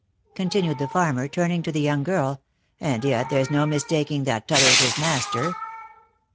continued the farmer, turning to the young girl, " and yet there's no mistaking that t'other's his master."